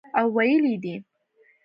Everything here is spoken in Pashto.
او ویلي یې دي